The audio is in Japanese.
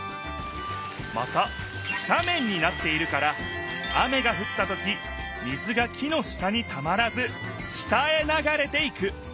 またしゃめんになっているから雨がふったとき水が木の下にたまらず下へながれていく。